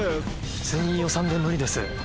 普通に予算で無理です。